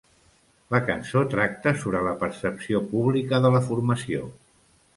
La cançó tracta sobre la percepció pública de la formació.